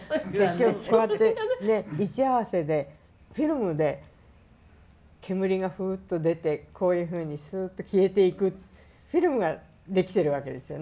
それでね位置合わせでフィルムで煙がフウッと出てこういうふうにスーッと消えていくフィルムができてるわけですよね。